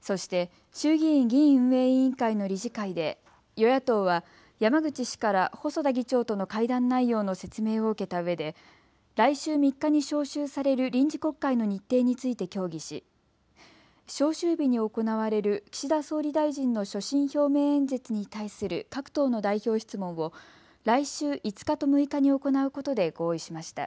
そして衆議院議院運営委員会の理事会で与野党は山口氏から細田議長との会談内容の説明を受けたうえで来週３日に召集される臨時国会の日程について協議し召集日に行われる岸田総理大臣の所信表明演説に対する各党の代表質問を来週５日と６日に行うことで合意しました。